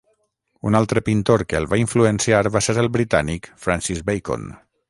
Un altre pintor que el va influenciar va ser el britànic Francis Bacon.